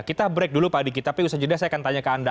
kita break dulu pak diki tapi usaha jeda saya akan tanya ke anda